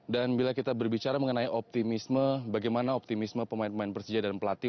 dan bila kita berbicara mengenai optimisme bagaimana optimisme pemain pemain persija dan pelatih